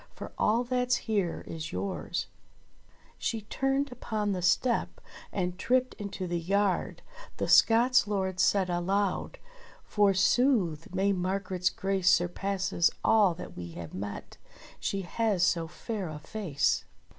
For all that's here is yours !"— she turned upon the step and tripped into the yard, the Scots lords said aloud : THE LAIDLY WORM 127 "Forsooth ! May Margret's grace Surpasses all that we have met, she has so fair a face!'